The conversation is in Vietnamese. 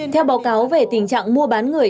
theo báo cáo về tình trạng mua bán người